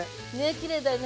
きれいだよね。